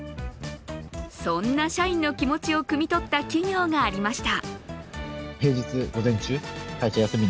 そんな社員の気持ちをくみ取った企業がありました。